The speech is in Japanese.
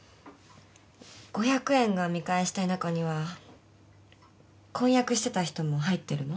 ５００円が見返したい中には婚約してた人も入ってるの？